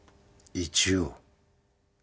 一応？